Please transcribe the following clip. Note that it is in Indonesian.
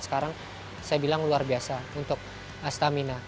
sekarang saya bilang luar biasa untuk stamina